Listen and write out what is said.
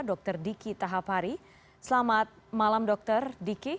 dokter diki tahapari selamat malam dokter diki